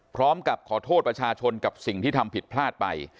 พร้อมกับขอโทษประชาชนกับสิ่งที่ทำผิดพลาดไป